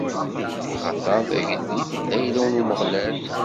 Axaṭer tageldit d ayla n Umeɣlal.